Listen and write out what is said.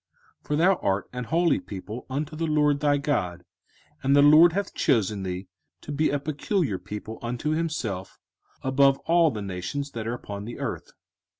05:014:002 For thou art an holy people unto the LORD thy God, and the LORD hath chosen thee to be a peculiar people unto himself, above all the nations that are upon the earth.